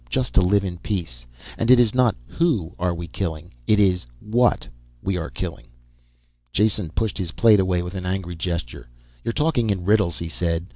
Just to live in peace. And it is not who are we killing it is what we are killing." Jason pushed his plate away with an angry gesture. "You're talking in riddles," he said.